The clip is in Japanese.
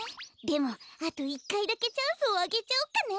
でもあと１かいだけチャンスをあげちゃおうかな。